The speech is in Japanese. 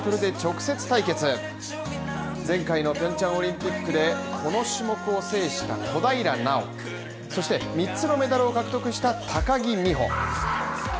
前回のピョンチャンオリンピックでこの種目を制した小平奈緒、そして三つのメダルを獲得した高木美帆。